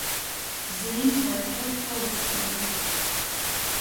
Zīm vairuok pa ustobu.